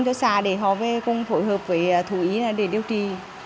cho xa để họ cùng phối hợp với thủy ý để điều trị